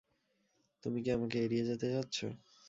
তুমি কি আমাকে এড়িয়ে যেতে চাচ্ছো?